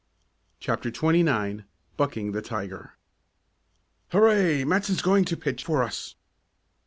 CHAPTER XXIX BUCKING THE TIGER "Hurray! Matson is going to pitch for us!"